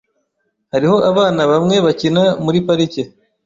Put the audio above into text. Hariho abana bamwe bakina muri parike .